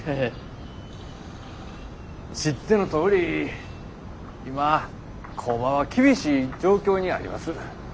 知ってのとおり今工場は厳しい状況にあります。